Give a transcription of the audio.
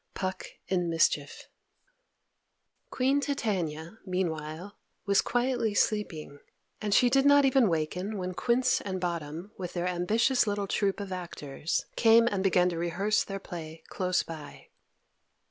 Puck in Mischief Queen Titania, meanwhile, was quietly sleeping, and she did not even waken when Quince and Bottom, with their ambitious little troupe of actors, came and began to rehearse their play close by.